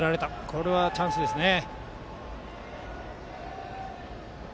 これはチャンスですね。